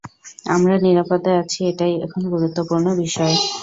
আমরা নিরাপদে আছি এটাই এখন গুরুত্বপূর্ণ বিষয়।